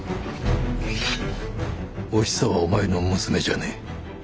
おひさはお前の娘じゃねえ。